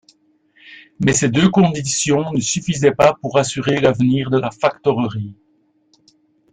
Mais ces deux conditions ne suffisaient pas pour assurer l’avenir de la factorerie.